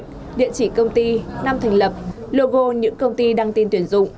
để tìm việc địa chỉ công ty năm thành lập logo những công ty đăng tin tuyển dụng